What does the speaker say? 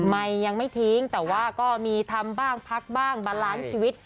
ยังไม่ทิ้งแต่ว่าก็มีทำบ้างพักบ้างบาลานซ์ชีวิต